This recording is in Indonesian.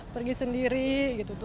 pergi sendiri gitu